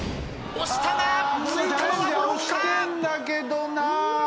押してんだけどな。